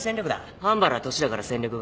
半原は年だから戦力外。